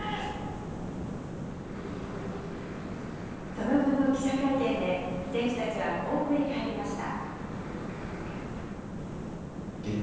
その後の記者会見で、選手たちはこう振り返りました。